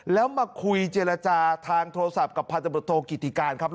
แล้วมาคุยเจรจาทางโทรศัพท์กับพศกิติการณ์ครับ